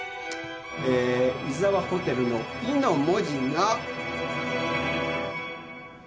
えー井沢ホテルの「井」の文字が。